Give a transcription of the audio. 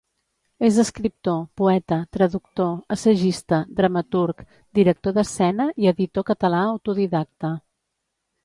És escriptor, poeta, traductor, assagista, dramaturg, director d'escena i editor català autodidacta.